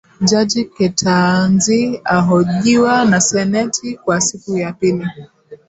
Jaji Ketanji ahojiwa na seneti kwa siku ya pili